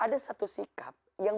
ada satu sikap yang